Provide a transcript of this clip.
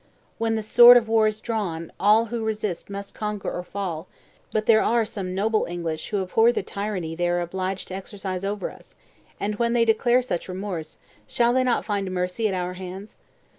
When the sword of war is drawn, all who resist must conquer or fall; but there are some noble English who abhor the tyranny they are obliged to exercise over us, and when they declare such remorse, shall they not find mercy at our hands?